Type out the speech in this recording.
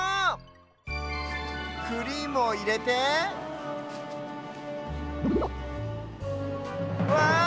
クリームをいれてわあ！